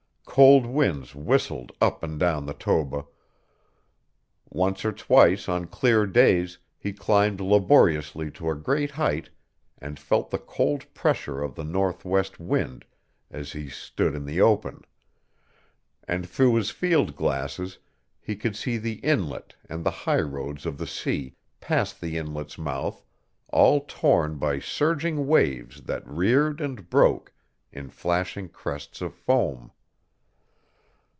Cold winds whistled up and down the Toba. Once or twice on clear days he climbed laboriously to a great height and felt the cold pressure of the northwest wind as he stood in the open; and through his field glasses he could see the Inlet and the highroads of the sea past the Inlet's mouth all torn by surging waves that reared and broke in flashing crests of foam.